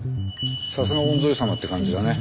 さすが御曹司様って感じだね。